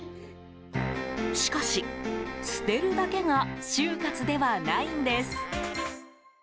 しかし、捨てるだけが終活ではないんです。